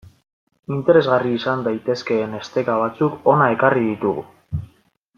Interesgarri izan daitezkeen esteka batzuk hona ekarri ditugu.